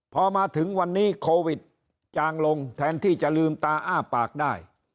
พอมาถึงวันนี้โควิดจางลงแทนที่จะลืมตาอ้าปากได้